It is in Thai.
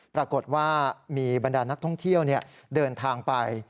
ปรากฏว่ามีบรรดานักท่องเที่ยวเดินทางไป